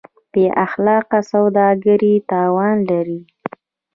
بېاخلاقه سوداګري تاوان لري.